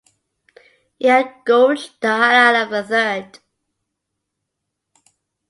He had gouged the eye out of a third.